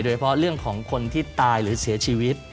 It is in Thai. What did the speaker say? โดยเฉพาะเรื่องของคนที่ตายหรือเสียชีวิต